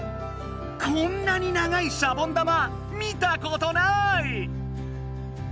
こんなに長いシャボン玉見たことない！